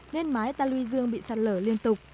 nên mái ta luy dương bị sạt lở liên tục